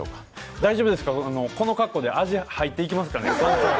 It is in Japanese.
大丈夫ですか、この格好で味、入っていきますかね。